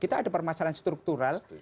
kita ada permasalahan struktural